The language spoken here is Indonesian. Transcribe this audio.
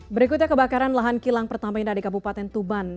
berikutnya kebakaran lahan kilang pertamina di kabupaten tuban